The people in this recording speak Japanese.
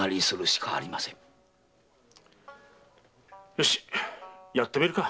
よしやってみるか。